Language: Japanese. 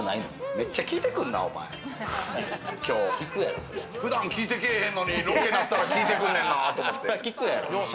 めっちゃ聞いてくるな、おまえ、きょう、普段聞いてけぇへんのに、ロケになったら聞いてくんねんなと思って。